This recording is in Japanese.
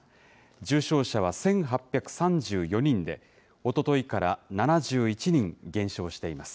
重症者は１８３４人で、おとといから７１人減少しています。